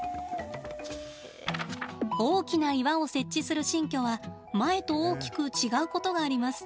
大きな岩を設置する新居は前と大きく違うことがあります。